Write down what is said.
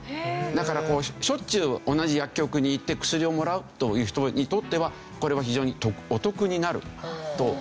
だからしょっちゅう同じ薬局に行って薬をもらうという人にとってはこれは非常にお得になるという事なんですね。